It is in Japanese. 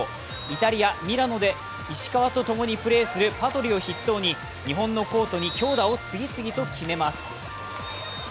イタリア・ミラノで石川とともにプレーするパトリを筆頭に日本のコートに強打を次々と決めます。